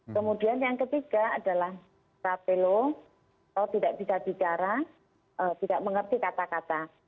kemudian yang ketiga adalah rapelo atau tidak bisa bicara tidak mengerti kata kata